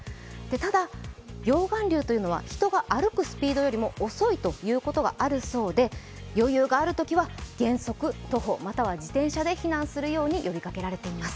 ただ、溶岩流というのは人が歩くスピードよりも遅いということがあるようで余裕があるときは原則、徒歩または自転車で避難するように呼びかけられています。